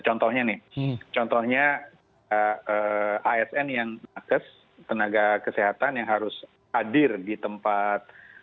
contohnya nih contohnya asn yang nakes tenaga kesehatan yang harus hadir di tempat